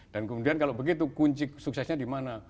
dan kemudian kalau begitu kunci suksesnya dimana